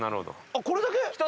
あっこれだけ？